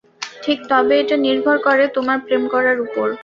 ঠিক, তবে এটা নির্ভর করে তোমার প্রেম করার উপর।